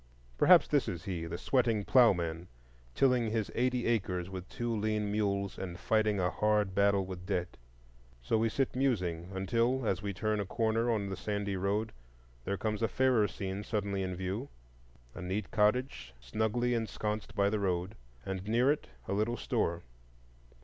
Perhaps this is he,—the sweating ploughman, tilling his eighty acres with two lean mules, and fighting a hard battle with debt. So we sit musing, until, as we turn a corner on the sandy road, there comes a fairer scene suddenly in view,—a neat cottage snugly ensconced by the road, and near it a little store.